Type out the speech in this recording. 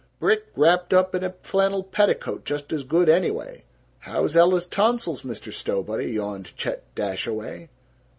Brick wrapped up in a flannel petticoat just as good, anyway!" "How's Ella's tonsils, Mr. Stowbody?" yawned Chet Dashaway.